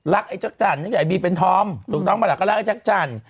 รักไอ้จักรจันทร์อย่างไอ้บีเป็นธอมหลวงน้องมาแล้วก็รักไอ้จักรจันทร์